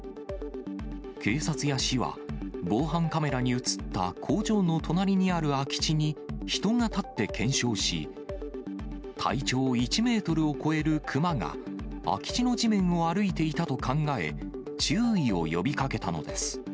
警察や市は、防犯カメラに写った工場の隣にある空き地に人が立って検証し、体長１メートルを超える熊が、空き地の地面を歩いていたと考え、注意を呼びかけたのです。